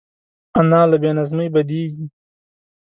انا له بې نظمۍ بدېږي